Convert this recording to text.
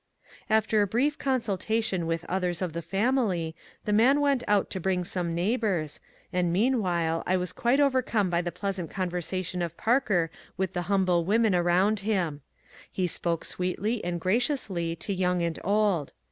After a brief consultation with others of the family, the man went out to bring some neighbours, and meanwhile I was quite overcome by the pleasant conversation of Parker with the humble women around him. He spoke sweetly and graciously to young and old.